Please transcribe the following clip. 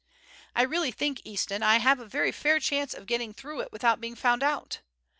I really think, Easton, I have a very fair chance of getting through it without being found out.